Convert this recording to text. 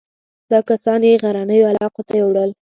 دا کسان یې غرنیو علاقو ته یووړل.